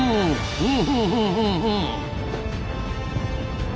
うん！